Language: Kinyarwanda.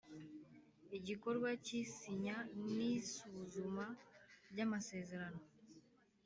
Igikorwa cy’isinya n isuzuma ry amasezerano